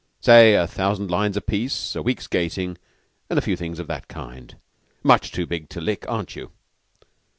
Say, a thousand lines apiece, a week's gating, and a few things of that kind. Much too big to lick, aren't you?"